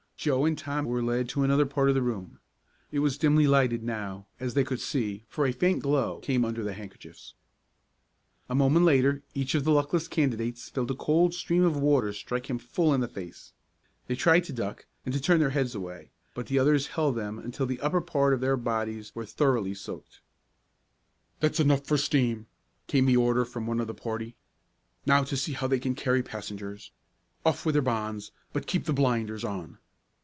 Joe and Tom were led to another part of the room. It was dimly lighted now, as they could see, for a faint glow came under the handkerchiefs. A moment later each of the luckless candidates felt a cold stream of water strike him full in the face. They tried to duck, and to turn their heads away, but the others held them until the upper part of their bodies were thoroughly soaked. "That's enough for steam," came the order from one of the party. "Now to see how they can carry passengers. Off with their bonds, but keep the blinders on."